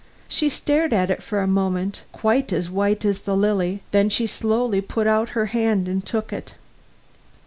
She stared at it for a moment, quite as white as the lily, then she slowly put out her hand and took it.